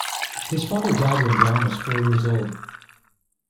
His father died when Brown was four years old.